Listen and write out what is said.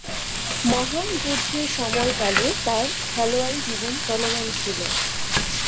মহান যুদ্ধের সময়কালে তার খেলোয়াড়ী জীবন চলমান ছিল।